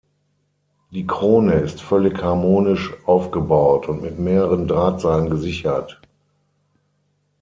Die Krone ist völlig harmonisch aufgebaut und mit mehreren Drahtseilen gesichert.